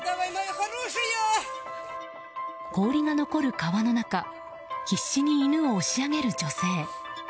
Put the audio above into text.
氷が残る川の中必死に犬を押し上げる女性。